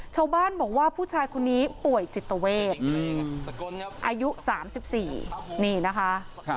ชาวบ้านบอกว่าผู้ชายคนนี้ป่วยจิตเวทอายุ๓๔นี่นะคะ